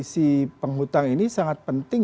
si penghutang ini sangat penting